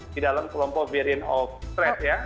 di dalam kelompok variant of thres ya